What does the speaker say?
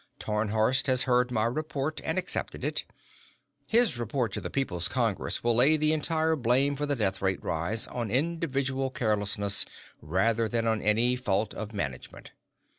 Tarnhorst has heard my report and accepted it. His report to the People's Congress will lay the entire blame for the death rate rise on individual carelessness rather than on any fault of management.